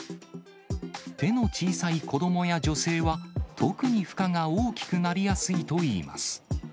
手の小さい子どもや女性は、特に負荷が大きくなりやすいといいます。